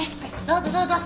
どうぞどうぞ。